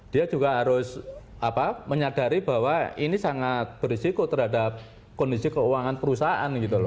dia juga harus menyadari bahwa ini sangat berisiko terhadap kondisi keuangan perusahaan gitu loh